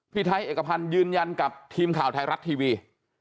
ไทยเอกพันธ์ยืนยันกับทีมข่าวไทยรัฐทีวี